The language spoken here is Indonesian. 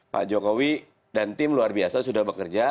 pak jokowi dan tim luar biasa sudah bekerja